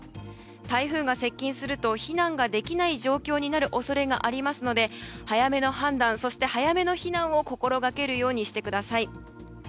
台風が接近すると避難ができない状況になる恐れがありますので早めの判断そして、早めの避難を心掛けるようにしてください。